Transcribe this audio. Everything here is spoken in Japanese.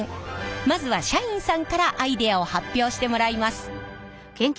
まずは社員さんからアイデアを発表してもらいます。